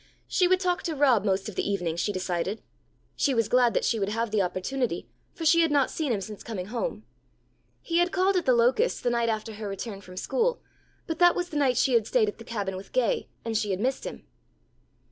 She would talk to Rob most of the evening, she decided. She was glad that she would have the opportunity, for she had not seen him since coming home. He had called at The Locusts the night after her return from school, but that was the night she had stayed at the Cabin with Gay, and she had missed him.